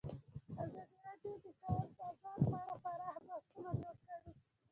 ازادي راډیو د د کار بازار په اړه پراخ بحثونه جوړ کړي.